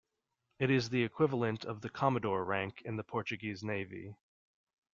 It is the equivalent of the commodore rank in the Portuguese Navy.